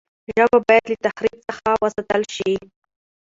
ژبه باید له تحریف څخه وساتل سي.